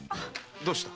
どうした？